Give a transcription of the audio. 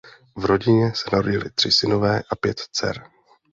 V rodině se narodili tři synové a pět dcer.